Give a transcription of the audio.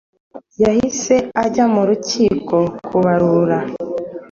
yahise ajya mu rukiko kuburana